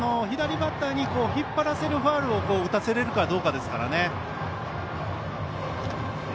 左バッターに引っ張らせるファウルを打たせられるかどうかですからね。